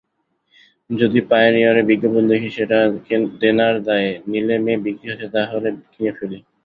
যদি পায়োনিয়রে বিজ্ঞাপন দেখি সেটা দেনার দায়ে নিলেমে বিক্রি হচ্ছে তা হলে কিনে ফেলি।